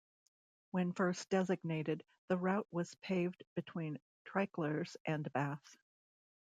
When first designated, the route was paved between Treichlers and Bath.